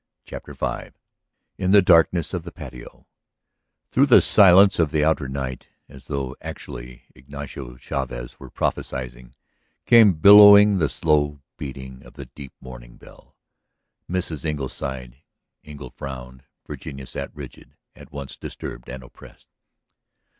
CHAPTER V IN THE DARKNESS OF THE PATIO Through the silence of the outer night, as though actually Ignacio Chavez were prophesying, came billowing the slow beating of the deep mourning bell. Mrs. Engle sighed; Engle frowned; Virginia sat rigid, at once disturbed and oppressed.